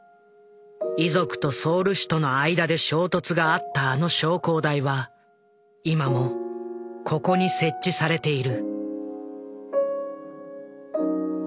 遺族とソウル市との間で衝突があったあの焼香台は今もここに設置されている。